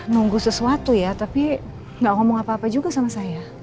nunggu sesuatu ya tapi gak ngomong apa apa juga sama saya